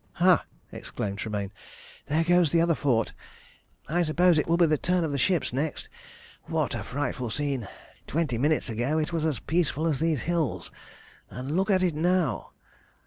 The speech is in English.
"Ha!" exclaimed Tremayne. "There goes the other fort. I suppose it will be the turn of the ships next. What a frightful scene! Twenty minutes ago it was as peaceful as these hills, and look at it now."